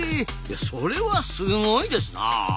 それはすごいですなあ。